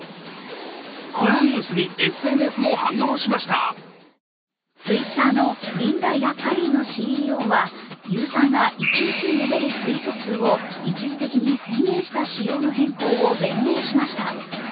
このニュースにＳＮＳも反応しましたＴｗｉｔｔｅｒのリンダ・ヤッカリーノＣＥＯはユーザーが一日に読めるツイート数を一時的に制限した仕様の変更を弁明しました。